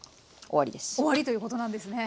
終わりということなんですね。